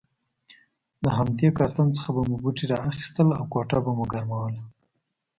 له همدې کارتن څخه به مو بوټي را اخیستل او کوټه به مو ګرموله.